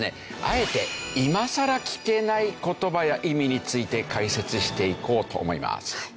あえて今さら聞けない言葉や意味について解説していこうと思います。